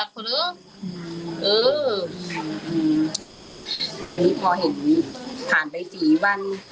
ตอนนี้พอเห็นผ่านใดสี่วัน